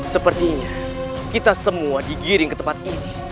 sepertinya kita semua digiring ke tempat ini